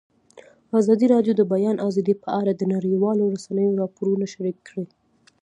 ازادي راډیو د د بیان آزادي په اړه د نړیوالو رسنیو راپورونه شریک کړي.